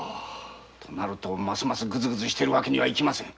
となるとますますぐずぐずしてはいけません。